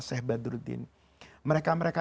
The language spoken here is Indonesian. syekh badruddin mereka mereka